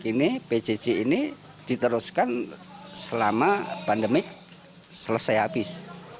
ini pjj ini diteruskan selama pandemi selesai habis